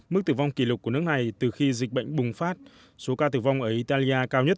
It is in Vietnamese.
mức tử vong kỷ lục của nước này từ khi dịch bệnh bùng phát số ca tử vong ở italia cao nhất